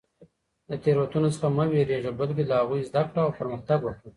د تېروتنو څخه مه وېرېږه، بلکې له هغوی زده کړه او پرمختګ وکړه.